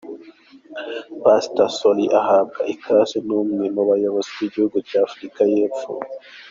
Pastor Solly ahabwa ikaze n'umwe mu bayobozi b'igihugu cya Afrika y'Epfo.